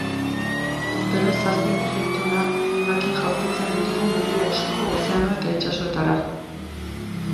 Urtero zazpi milioi tona hondakin jaurtitzen ditugu mundu osoko ozeano eta itsasoetara.